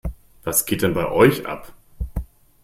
Was geht denn bei euch ab?